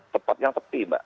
tempatnya tepi mbak